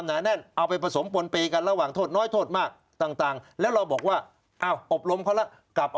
อย่างผมผมก็กลัวครับ